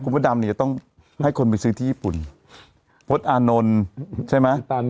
แล้วก็ดำเนี่ยต้องให้คนไปซื้อที่ญี่ปุ่นพชน์อานนนใช่ไหม